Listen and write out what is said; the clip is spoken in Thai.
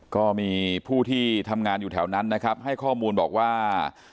ก็มีผู้ที่ทำงานอยู่แถวนั้นนะครับให้ข้อมูลบอกว่า